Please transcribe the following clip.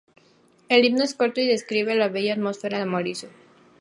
El himno es corto y describe la bella atmósfera de Mauricio.